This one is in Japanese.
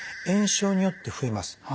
炎症によって増えます。